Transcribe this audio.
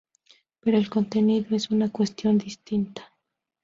Pero el contenido es una cuestión distinta.